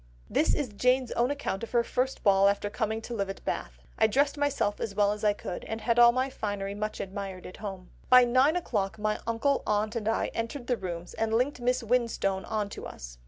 This is Jane's own account of her first ball after coming to live at Bath: "I dressed myself as well as I could, and had all my finery much admired at home. By nine o'clock my uncle, aunt, and I entered the Rooms, and linked Miss Winstone on to us.